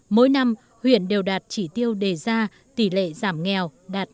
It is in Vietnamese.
mỗi năm huyện đều đạt chỉ tiêu đề ra tỷ lệ giảm nghèo đạt năm mươi